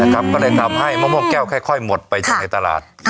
ก็เลยทำให้มะม่วงแก้วค่อยหมดไปจากในตลาด